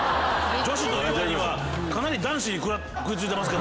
女子というわりにはかなり男子食い付いてますけど。